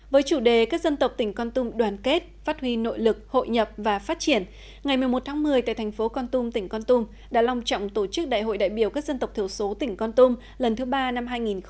với chủ đề các dân tộc tỉnh con tum đoàn kết phát huy nội lực hội nhập và phát triển ngày một mươi một tháng một mươi tại thành phố con tum tỉnh con tum đã lòng trọng tổ chức đại hội đại biểu các dân tộc thiểu số tỉnh con tum lần thứ ba năm hai nghìn một mươi chín